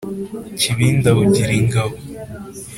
kibinda awungira ingabo,